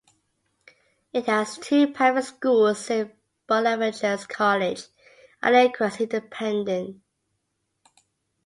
It has two private schools, Saint Bonaventure's College and Lakecrest Independent.